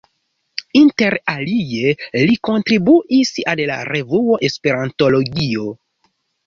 Inter alie li kontribuis al la revuo Esperantologio.